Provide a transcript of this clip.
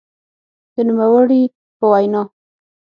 د نوموړي په وینا؛